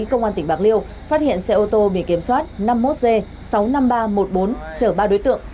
công an tỉnh bạc liêu phát hiện xe ô tô bị kiểm soát năm mươi một g sáu mươi năm nghìn ba trăm một mươi bốn chở ba đối tượng